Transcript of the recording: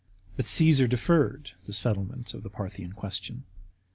But Caesar deferred the settlement of the Parthian question.